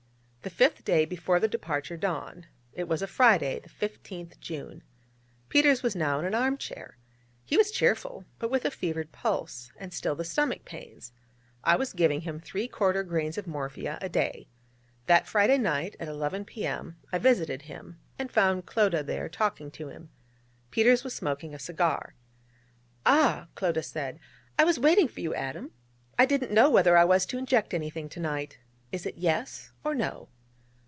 The fifth day before the departure dawned. It was a Friday, the 15th June. Peters was now in an arm chair. He was cheerful, but with a fevered pulse, and still the stomach pains. I was giving him three quarter grains of morphia a day. That Friday night, at 11 P.M., I visited him, and found Clodagh there, talking to him. Peters was smoking a cigar. 'Ah,' Clodagh said, 'I was waiting for you, Adam. I didn't know whether I was to inject anything to night. Is it Yes or No?'